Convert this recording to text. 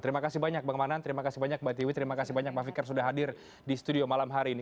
terima kasih banyak bang manan terima kasih banyak mbak tiwi terima kasih banyak pak fikar sudah hadir di studio malam hari ini